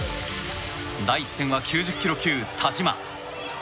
第１戦は９０ｋｇ級、田嶋。